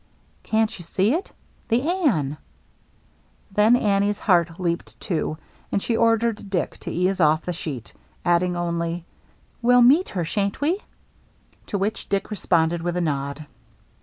" Can't you see it — the Anne ?" Then Annie's heart leaped too. And she ordered Dick to ease off the sheet, adding only, " We'll meet her, shan't we ?" To which Dick responded with a nod.